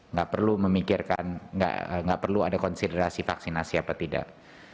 nggak perlu memikirkan nggak perlu ada konsiderasi vaksinasi apa tidak